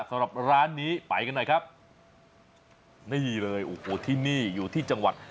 สำหรับร้านนี้ไปกันหน่อยครับนี่เลยโอ้โหที่นี่อยู่ที่จังหวัด